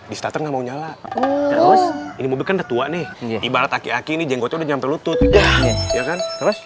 ini mobil kan tua nih ibarat aki aki ini jenggotnya nyamper lutut ya kan